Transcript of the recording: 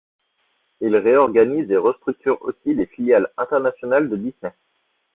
Il réorganise et restructure aussi les filiales internationales de Disney.